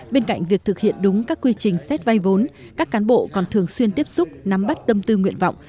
bên cạnh việc thực hiện đúng các quy trình xét vay vốn các cán bộ còn thường xuyên tiếp xúc nắm bắt tâm tư nguyện vọng